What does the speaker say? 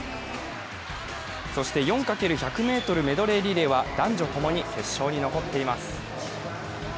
そして、４×１００ｍメドレーリレーは男女共に決勝に残っています。